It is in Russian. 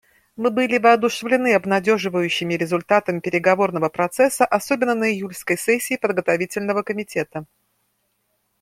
Мы были воодушевлены обнадеживающими результатами переговорного процесса, особенно на июльской сессии Подготовительного комитета.